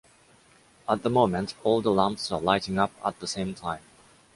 At the moment, all the lamps are lighting up at the same time.